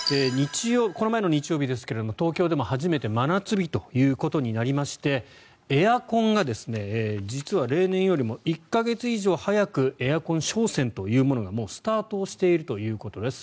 この前の日曜日ですが東京でも初めて真夏日ということになりましてエアコンが実は例年よりも１か月以上早くエアコン商戦というものがもうスタートしているということです。